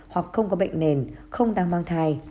hoặc không có bệnh nền